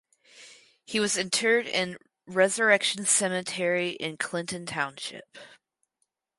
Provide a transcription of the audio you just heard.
He was interred in Resurrection Cemetery in Clinton Township.